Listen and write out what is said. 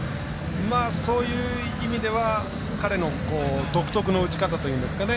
そういう意味では彼の独特の打ち方というんですかね